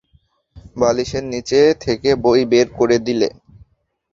বালিশের নীচে থেকে বই বের করে দিলে।